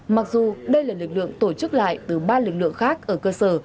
mặc dù đây là lực lượng tổ chức lại từ ba lực lượng khác ở cơ sở